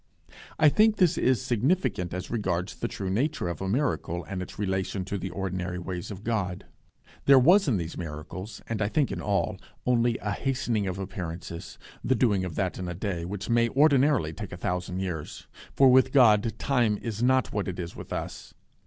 I think this is significant as regards the true nature of a miracle, and its relation to the ordinary ways of God. There was in these miracles, and I think in all, only a hastening of appearances; the doing of that in a day, which may ordinarily take a thousand years, for with God time is not what it is with us.